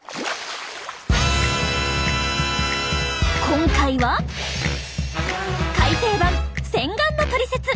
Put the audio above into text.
今回は改訂版「洗顔のトリセツ」。